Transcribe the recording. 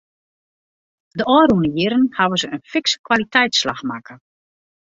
De ôfrûne jierren hawwe se in fikse kwaliteitsslach makke.